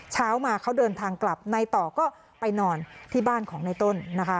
เช้ามาเขาเดินทางกลับในต่อก็ไปนอนที่บ้านของในต้นนะคะ